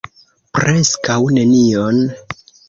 Preskaŭ nenion.